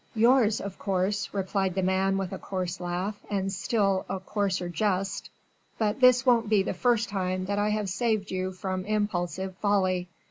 "Yours, of course," replied the man with a coarse laugh and a still coarser jest, "but this won't be the first time that I have saved you from impulsive folly.